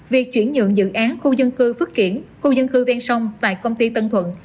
việc chuyển nhượng dự án khu dân cư phước kiển khu dân cư ven sông tại công ty tân thuận